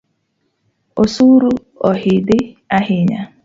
Osuru oidhi ahinya